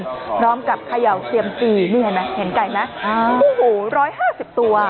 พร้อมกับขยาวเซียมตีนี่เห็นไหมเห็นไก่ไหมอ่าโอ้โหร้อยห้าสิบตัว